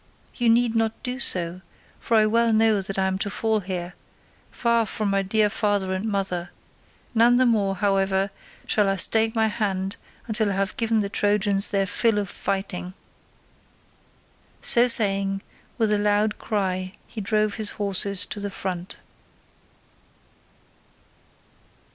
You need not do so, for I well know that I am to fall here, far from my dear father and mother; none the more, however, shall I stay my hand till I have given the Trojans their fill of fighting." So saying, with a loud cry he drove his horses to the front.